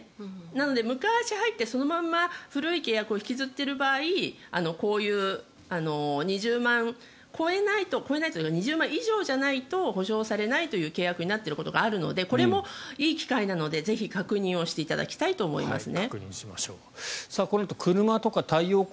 なので昔、入って、そのまま古い契約を引きずっている場合こういう２０万円以上じゃないと補償されないという契約になっていることがあるのでこれもいい機会なのでぜひ確認していただきたいと思います。